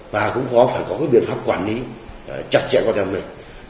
và cũng có phải có cái biện pháp quản lý chắc sẽ có trong mình